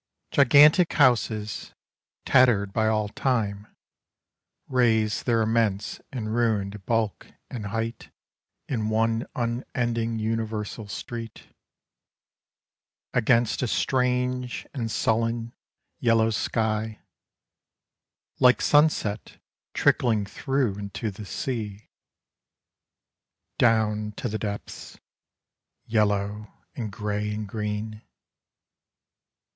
GIGANTIC houses, tattered by all time, Raise their immense and ruined bulk and height In one unending universal street, Against a strange and sullen yellow sky Like sunset trickling through into the sea — Down to the depths,— yellow and grey and green.